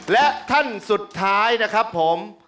และท่านสุดท้ายนะครับผม